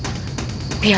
biar aku saja yang hadirinya